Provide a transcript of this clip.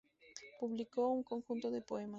Publicó un conjunto de poemas.